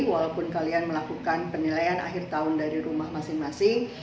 walaupun kalian melakukan penilaian akhir tahun dari rumah masing masing